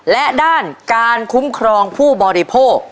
และด้านการคุ้มครองผู้บริโภค